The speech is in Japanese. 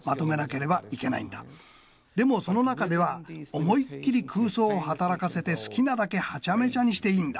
でもその中では思いっきり空想を働かせて好きなだけハチャメチャにしていいんだ。